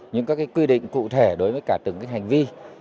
những các quy định cụ thể đối với cả từng hành vi